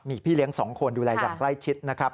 มีพี่เลี้ยง๒คนดูแลอย่างใกล้ชิดนะครับ